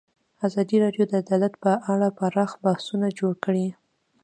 ازادي راډیو د عدالت په اړه پراخ بحثونه جوړ کړي.